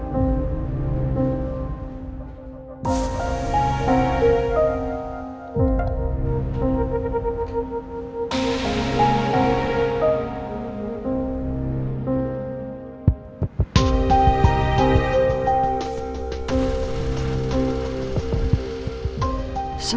tak mau cek